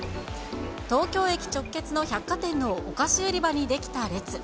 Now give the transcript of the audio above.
東京駅直結の百貨店のお菓子売り場に出来た列。